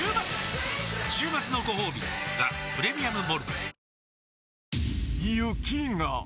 週末のごほうび「ザ・プレミアム・モルツ」